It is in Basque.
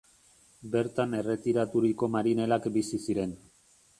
Bertan erretiraturiko marinelak bizi ziren.